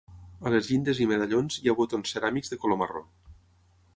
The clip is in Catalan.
A les llindes i medallons hi ha botons ceràmics de color marró.